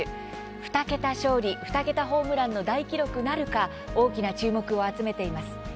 ２桁勝利、２桁ホームランの大記録なるか大きな注目を集めています。